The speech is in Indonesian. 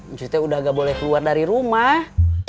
ucuy sudah tidak boleh keluar dari rumah